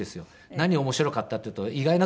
「何面白かった？」って言うと意外な所。